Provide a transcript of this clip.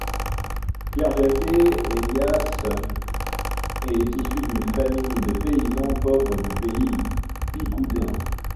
Pierre-Jakez Hélias est issu d’une famille de paysans pauvres du Pays Bigouden.